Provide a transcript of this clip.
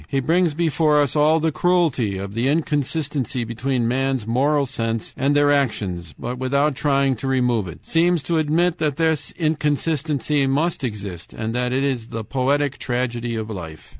He brings before us all the cruelty of the inconsistency between men's moral sense and their actions, but without trying to remove it; seems to admit that this inconsistency must exist and that it is the poetic tragedy of life.